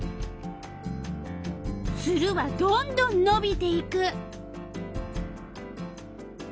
ツルはどんどんのびていく。